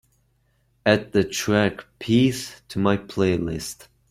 Add the track peace to my playlist